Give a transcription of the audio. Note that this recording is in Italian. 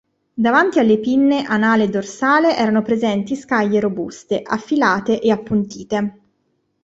Davanti alle pinne anale e dorsale erano presenti scaglie robuste, affilate e appuntite.